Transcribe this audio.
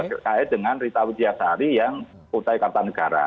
terkait dengan rita widyasari yang putra ikatan negara